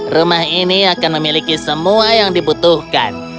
rumah ini akan memiliki semua yang dibutuhkan